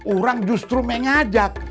orang justru mengajak